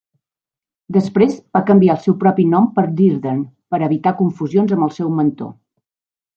Després va canviar el seu propi nom per Dearden per evitar confusions amb el seu mentor.